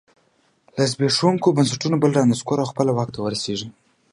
له زبېښونکو بنسټونو بل رانسکور او خپله واک ته ورسېږي